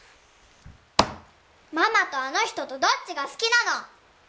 ママとあの人とどっちが好きなの！？